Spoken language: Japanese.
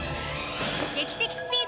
劇的スピード！